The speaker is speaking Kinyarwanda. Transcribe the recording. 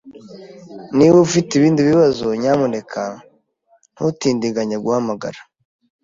Niba ufite ibindi bibazo, nyamuneka ntutindiganye guhamagara.